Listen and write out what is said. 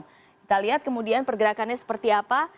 kita lihat kemudian pergerakannya seperti apa